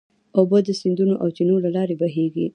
اوبه د سیندونو او چینو له لارې بهېږي.